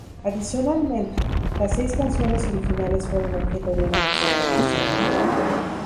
Adicionalmente, las seis canciones originales fueron objeto de una mejor producción.